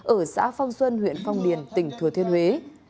ở xã phong xuân huyện phong điền tỉnh thừa thiên huế